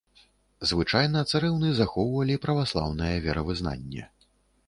Звычайна, царэўны захоўвалі праваслаўнае веравызнанне.